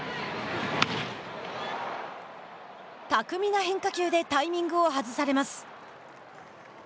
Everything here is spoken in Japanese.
巧みな変化球でタイミングを外されます。